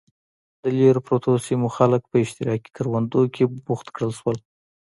د لرو پرتو سیمو خلک په اشتراکي کروندو کې بوخت کړل شول.